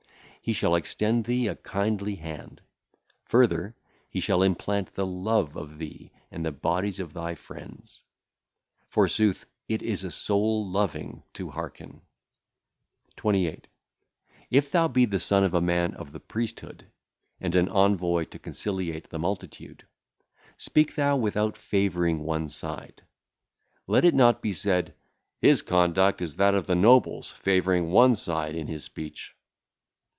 He shall extend thee a kindly hand. Further, he shall implant the love of thee in the bodies of thy friends. Forsooth, it is a soul loving to hearken. 28. If thou be the son of a man of the priesthood, and an envoy to conciliate the multitude,.... speak thou without favouring one side. Let it not be said, 'His conduct is that of the nobles, favouring one side in his speech.'